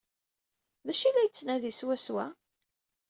D acu ay la yettnadi swaswa?